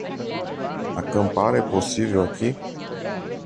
Acampar é possível aqui?